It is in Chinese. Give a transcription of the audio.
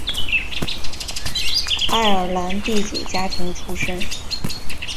爱尔兰地主家庭出身。